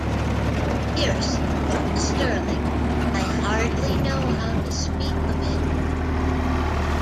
'" Bierce wrote to Sterling, "I hardly know how to speak of it.